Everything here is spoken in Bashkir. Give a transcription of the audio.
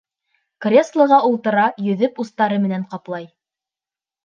Креслоға ултыра, йөҙөп устары менән ҡаплай.